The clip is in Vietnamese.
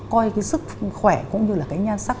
coi cái sức khỏe cũng như là cái nhan sắc